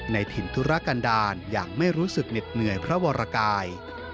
ในถิ่นธุรกันดาลอย่างไม่รู้สึกเหน็ดเหนื่อยพระวรกาย